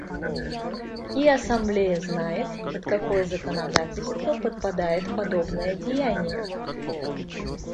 И Ассамблея знает, под какое законодательство подпадает подобное деяние.